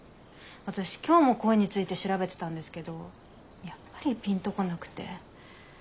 私今日も恋について調べてたんですけどやっぱりピンと来なくて。